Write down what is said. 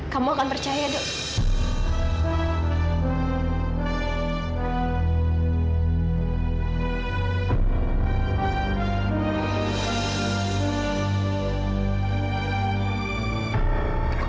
kamu akan percaya sama aku